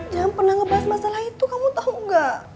jangan pernah ngebahas masalah itu kamu tau gak